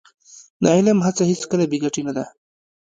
د علم هڅه هېڅکله بې ګټې نه ده.